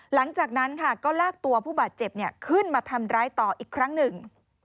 หลังจากนั้นค่ะก็ลากตัวผู้บาดเจ็บขึ้นมาทำร้ายต่ออีกครั้งหนึ่ง